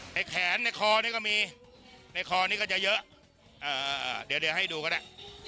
แขนในคอนี่ก็มีในคอนี้ก็จะเยอะเดี๋ยวให้ดูก็ได้